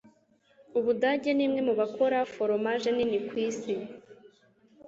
ubudage nimwe mubakora foromaje nini kwisi